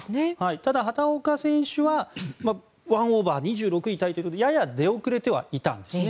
ただ、畑岡選手は１オーバー、２６位タイとやや出遅れてはいたんですね。